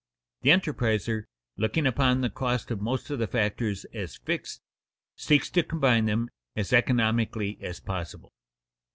_The enterpriser, looking upon the cost of most of the factors as fixed, seeks to combine them as economically as possible.